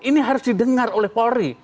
ini harus didengar oleh polri